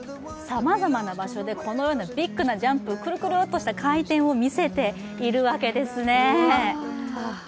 さまざまな場所でこのようなビッグなジャンプとクルクルとした回転を見せているわけですね。